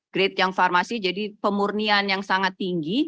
grade yang farmasi jadi pemurnian yang sangat tinggi